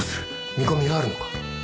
見込みはあるのか？